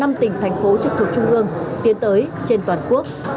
năm tỉnh thành phố trực thuộc trung ương tiến tới trên toàn quốc